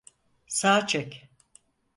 Sağa çek!